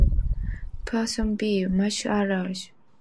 Person B: "Masha Allah"!